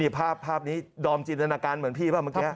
ภาพนี้ดอมจินตนาการเหมือนพี่ป่ะเมื่อกี้